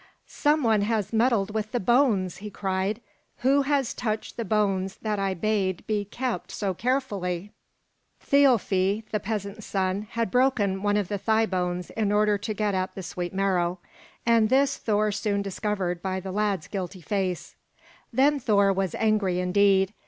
"Some one has meddled with the bones!" he cried. "Who has touched the bones that I bade be kept so carefully?" Thialfi, the peasant's son, had broken one of the thigh bones in order to get at the sweet marrow, and this Thor soon discovered by the lad's guilty face; then Thor was angry indeed.